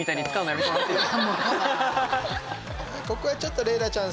ここはちょっとレイラちゃん